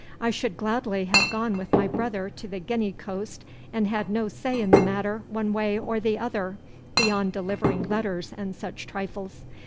'I should gladly have gone with my brother to the Guinea coast and had no say in the matter one way or the other, beyond delivering letters and such trifles.